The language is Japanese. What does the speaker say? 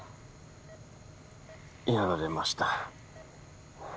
やられました。